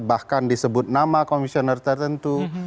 bahkan disebut nama komisioner tertentu